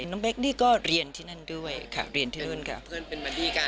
น้องเบคนี่ก็เรียนที่นั่นด้วยค่ะเรียนที่นู่นค่ะเพื่อนเป็นบัดดี้กัน